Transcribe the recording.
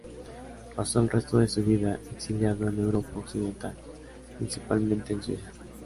Pasó el resto de su vida exiliado en Europa occidental, principalmente en Suiza.